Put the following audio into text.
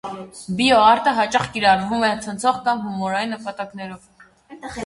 Բիո արտը հաճախ կիրառվում է ցնցող կամ հումորային նպատակներով։